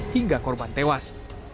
hingga korban tewas